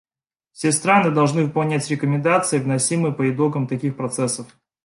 Все страны должны выполнять рекомендации, выносимые по итогам таких процессов.